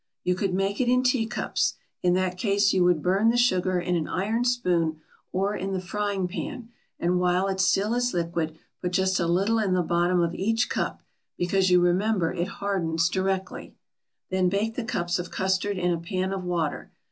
You could make it in teacups; in that case you would burn the sugar in an iron spoon or in the frying pan and while it still is liquid put just a little in the bottom of each cup, because you remember it hardens directly. Then bake the cups of custard in a pan of water.